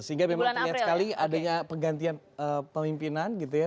sehingga memang terlihat sekali adanya penggantian pemimpinan gitu ya